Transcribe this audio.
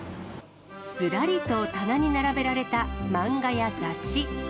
ずらりと棚に並べられた漫画や雑誌。